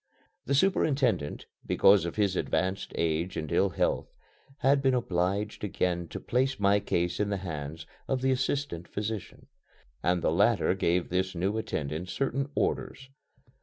The superintendent, because of his advanced age and ill health, had been obliged again to place my case in the hands of the assistant physician, and the latter gave this new attendant certain orders.